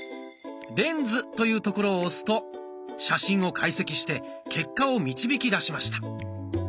「レンズ」というところを押すと写真を解析して結果を導きだしました。